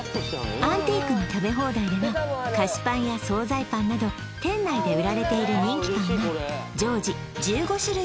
アンティークの食べ放題では菓子パンや惣菜パンなど店内で売られている人気パンが常時１５種類